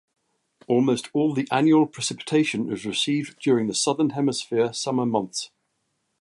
Almost all the annual precipitation is received during the southern-hemisphere summer months.